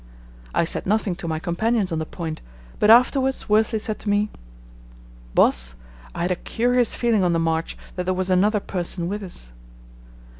I said nothing to my companions on the point, but afterwards Worsley said to me, "Boss, I had a curious feeling on the march that there was another person with us."